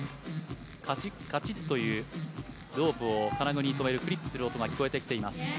カチッ、カチッというロープを金具にクリップする音が聞こえてきます。